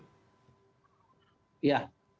sekarang kan logikanya